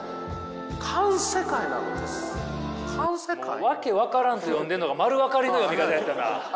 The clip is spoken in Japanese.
もう訳分からんと読んでんのが丸分かりの読み方やったな。